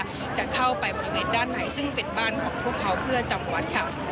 พระธรรมกายจะเข้าไปบริเวณด้านไหนซึ่งเป็นบ้านของพวกเขาเพื่อจำวัด